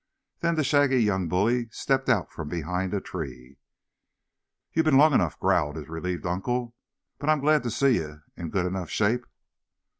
Then that shaggy young bully stepped out from behind a tree. "Ye've been long enough," growled his relieved uncle. "But I'm glad t' see ye're in good enough shape."